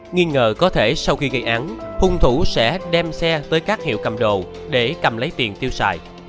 nghi ngờ có thể sau khi gây án hung thủ sẽ đem xe tới các hiệu cầm đồ để cầm lấy tiền tiêu xài